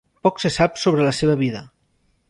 Poc se sap sobre la seva vida.